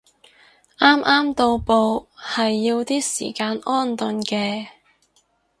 啱啱到埗係要啲時間安頓嘅